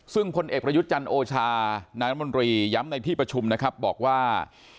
ซึ่งพลเอกประยุทธ์จันทร์โอชานายรัฐมนตรีย้ำในที่ประชุมนะครับบอกว่า